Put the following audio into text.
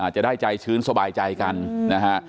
จะได้ใจชื้นสบายใจกันนะฮะ